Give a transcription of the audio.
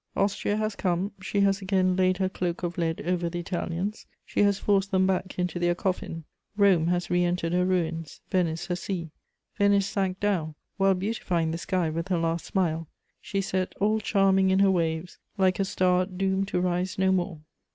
Austria has come; she has again laid her cloak of lead over the Italians; she has forced them back into their coffin. Rome has re entered her ruins, Venice her sea. Venice sank down, while beautifying the sky with her last smile; she set all charming in her waves, like a star doomed to rise no more.